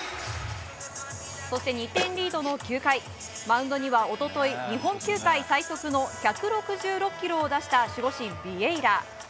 そして２点リードの９回マウンドには一昨日日本球界最速の１６６キロを出した守護神、ビエイラ。